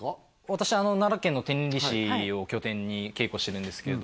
私奈良県の天理市を拠点に稽古してるんですけど